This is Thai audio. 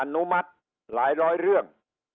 อนุมัติหลายร้อยเรื่อง